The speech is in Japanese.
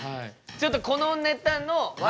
ちょっとこのネタの笑